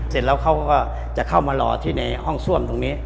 เสร็จแล้วเขาก็จะเข้ามารอที่ในห้องซ่วมตรงนี้